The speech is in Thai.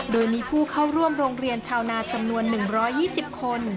โดยมีผู้เข้าร่วมโรงเรียนชาวนาจำนวน๑๒๐คน